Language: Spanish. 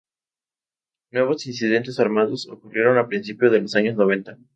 Nuevos incidentes armados ocurrieron a principio de los años noventa.